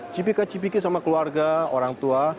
cipika cipiki sama keluarga orang tua